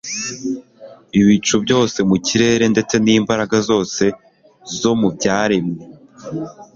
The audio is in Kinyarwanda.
ibicu byo mu kirere ndetse nimbaraga zose zo mu byaremwe